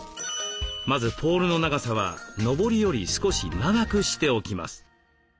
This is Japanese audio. まずポールの長さはのぼりより少し長くしておきます。